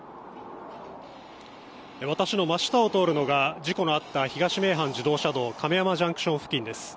私の真下を通るのが事故のあった東名阪自動車道亀山ジャンクション付近です